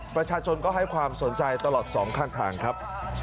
ประชาชนก็ให้ความสนใจตลอดสองข้างทางครับ